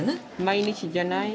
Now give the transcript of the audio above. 毎日じゃない？